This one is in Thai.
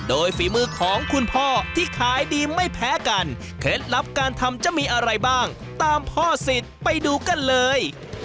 โดยฝีมือของคุณพ่อที่ขายดีไม่แพ้กันเคล็ดลับการทำจะมีอะไรบ้างตามพ่อสิทธิ์ไปดูกันเลย